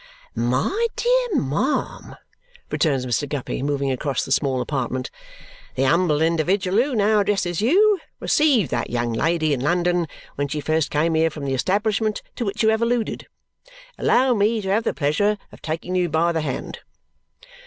"My dear ma'am," returns Mr. Guppy, moving across the small apartment, "the humble individual who now addresses you received that young lady in London when she first came here from the establishment to which you have alluded. Allow me to have the pleasure of taking you by the hand."